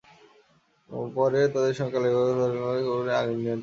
পরে তাঁদের সঙ্গে কালিয়াকৈর ফায়ার সার্ভিসের কর্মীরা চেষ্টা চালিয়ে আগুন নিয়ন্ত্রণে আনেন।